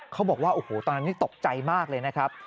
เขาบอกว่าโอ้โหตอนนั้นนี่ตกใจมากเลยนะครับ